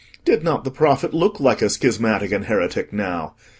Did not the prophet look like a schismatic and heretic now?